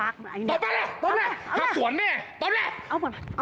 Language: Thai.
การสวนแม่